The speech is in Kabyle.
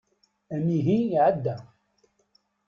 Amihi iεedda.